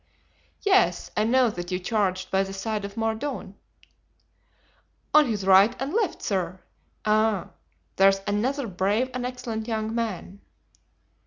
"Yes, I know that you charged by the side of Mordaunt." "On his right and left, sir. Ah! there's another brave and excellent young man."